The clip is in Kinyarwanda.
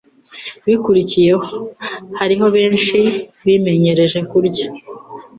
rikurikiyeho. Hariho benshi bimenyereje kurya